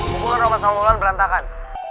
hubungan rahmat sama ular berantakan